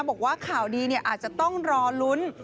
บอกว่าข่าวดีอาจจะต้องรอลุ้น